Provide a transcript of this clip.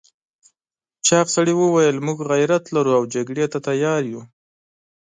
چاغ سړي وویل موږ غيرت لرو او جګړې ته تيار یو.